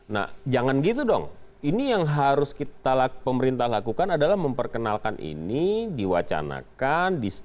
nah jangan gitu dong ini yang harus kita pemerintah lakukan adalah memperkenalkan ini diwacanakan